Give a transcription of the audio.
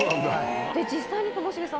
実際にともしげさん